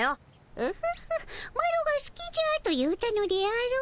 オホホマロがすきじゃと言うたのであろう？